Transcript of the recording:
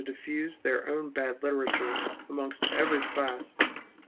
diffuse their own bad literature amongst every class.